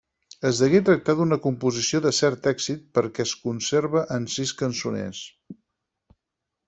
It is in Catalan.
Es degué tractar d'una composició de cert èxit perquè es conserva en sis cançoners.